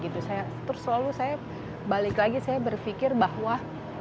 terus selalu saya balik lagi saya berpikir bahwa